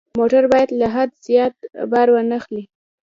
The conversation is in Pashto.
موټر باید له حد زیات بار وانه خلي.